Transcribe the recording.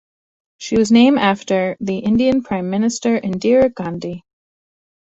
She was named after the Indian Prime Minister Indira Gandhi.